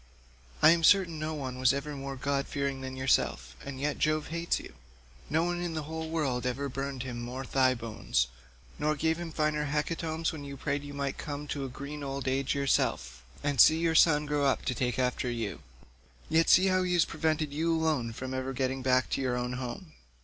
I am certain no one was ever more god fearing than yourself, and yet Jove hates you. No one in the whole world ever burned him more thigh bones, nor gave him finer hecatombs when you prayed you might come to a green old age yourself and see your son grow up to take after you: yet see how he has prevented you alone from ever getting back to your own home.